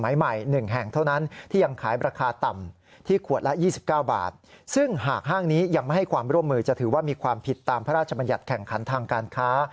ยังไม่ให้ความร่วมมือจะถือว่ามีความผิดตามพระราชบัญญัติแข่งขันทางการค้า